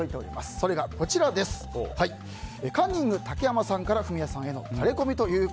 それが、カンニング竹山さんからフミヤさんへのタレコミです。